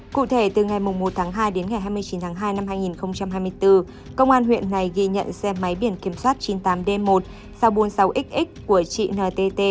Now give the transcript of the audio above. cụ thể từ ngày một hai đến ngày hai mươi chín hai hai nghìn hai mươi bốn công an huyện này ghi nhận xe máy biển kiểm soát chín mươi tám d một bốn mươi sáu xx của chị ntt